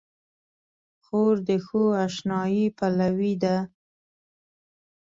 خور د ښو اشنايي پلوي ده.